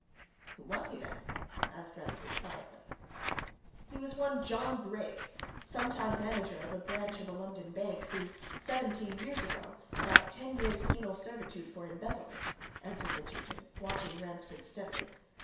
"Who was he, then?" asked Ransford, quietly. "He was one John Brake, some time manager of a branch of a London bank, who, seventeen years ago, got ten years' penal servitude for embezzlement," answered Mitchington, watching Ransford steadily.